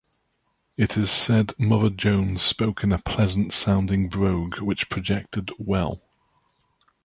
It is said Mother Jones spoke in a pleasant-sounding brogue which projected well.